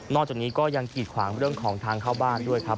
จากนี้ก็ยังกีดขวางเรื่องของทางเข้าบ้านด้วยครับ